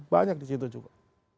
banyak di situ juga